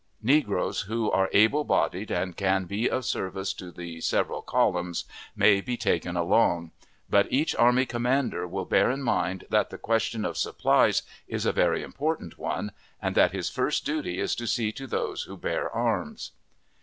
Negroes who are able bodied and can be of service to the several columns may be taken along; but each army commander will bear in mind that the question of supplies is a very important one, and that his first duty is to see to those who bear arms.